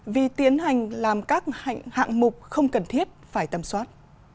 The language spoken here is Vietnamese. vì tiến hành làm các hạng mục không cần thiết phải tầm soát